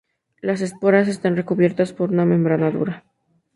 Las esporas están recubiertas por una membrana dura.